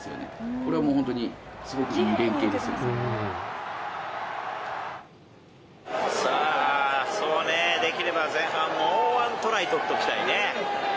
これはもう、本当にすごくいい連さあ、そうね、できれば前半、もう１トライ取っておきたいね。